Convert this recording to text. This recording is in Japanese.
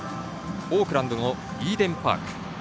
オークランドのイーデンパーク。